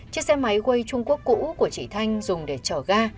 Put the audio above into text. chiếc xe máy way trung quốc cũ của chị thanh dùng để chở ga